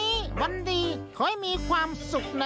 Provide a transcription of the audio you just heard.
สวัสดีค่ะต่างทุกคน